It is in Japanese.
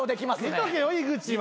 見とけよ井口。